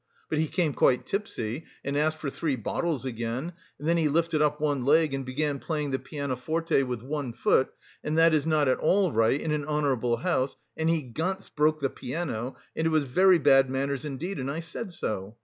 But he came quite tipsy, and asked for three bottles again, and then he lifted up one leg, and began playing the pianoforte with one foot, and that is not at all right in an honourable house, and he ganz broke the piano, and it was very bad manners indeed and I said so.